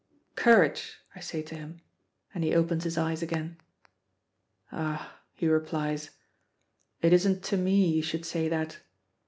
"Courage!" I say to him, and he opens his eyes again. "Ah!" he replies, "it isn't to me you should say that.